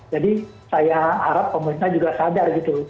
jadi saya harap pemerintah juga sadar gitu